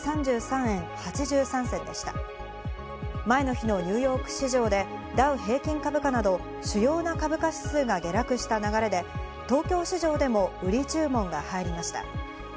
前の日のニューヨーク市場でダウ平均株価など主要な株価指数が下落した流れで東京市場でも売り注文が入りました。